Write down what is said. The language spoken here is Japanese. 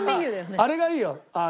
あれがいいよ。